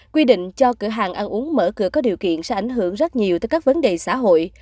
quy định cho cửa hàng ăn uống mở cửa có điều kiện sẽ ảnh hưởng rất nhiều tới các vấn đề xã hội